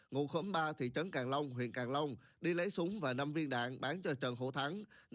ngụ khóm ba thị trấn càng long huyện càng long đi lấy súng và năm viên đạn bán cho trần hổ thắng